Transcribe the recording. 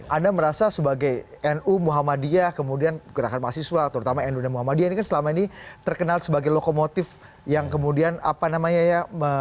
anda merasa sebagai nu muhammadiyah kemudian gerakan mahasiswa terutama nu dan muhammadiyah ini kan selama ini terkenal sebagai lokomotif yang kemudian apa namanya ya